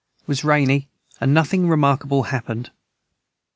Was rainy and nothing remarkable hapned.